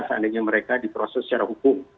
seandainya mereka diproses secara hukum